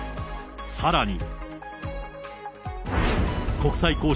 さらに。